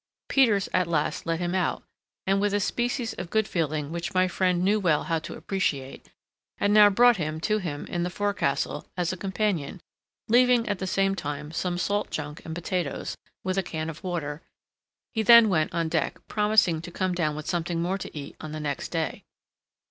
Peters at last let him out, and, with a species of good feeling which my friend knew well how to appreciate, had now brought him to him in the forecastle as a companion, leaving at the same time some salt junk and potatoes, with a can of water, he then went on deck, promising to come down with something more to eat on the next day.